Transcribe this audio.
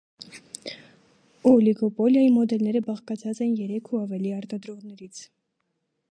Օլիգոպոլիայի մոդելները բաղկացած են երեք ու ավելի արտադրողներից։